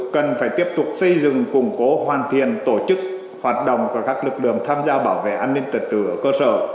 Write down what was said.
cần phải tiếp tục xây dựng củng cố hoàn thiện tổ chức hoạt động của các lực lượng tham gia bảo vệ an ninh trật tự ở cơ sở